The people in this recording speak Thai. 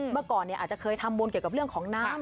เมื่อก่อนอาจจะเคยทำบุญเกี่ยวกับเรื่องของน้ำ